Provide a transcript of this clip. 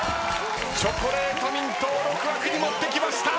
チョコレートミントを６枠に持ってきました。